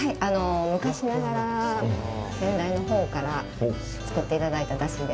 昔ながら、先代のほうから作っていただいた出汁で。